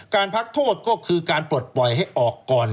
การพักโทษก็คือการปลดปล่อยให้ออกก่อน